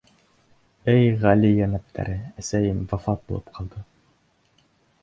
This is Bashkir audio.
— Эй ғали йәнәптәре, әсәйем вафат булып ҡалды.